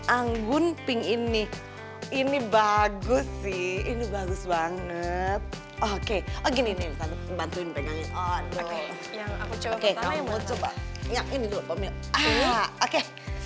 anggun pink ini ini bagus sih ini bagus banget oke gini ngebantuin pegangin oke